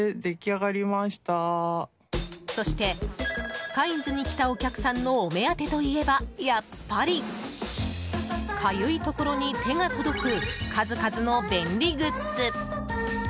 そしてカインズに来たお客さんのお目当てといえば、やっぱりかゆいところに手が届く数々の便利グッズ！